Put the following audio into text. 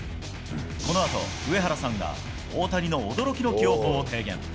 このあと、上原さんが大谷の驚きの起用法を提言。